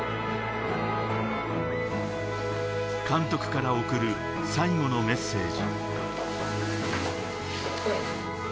監督から送る最後のメッセージ。